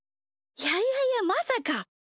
いやいやいやまさか。